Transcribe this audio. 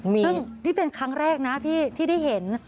ซึ่งนี่เป็นครั้งแรกนะที่ได้เห็น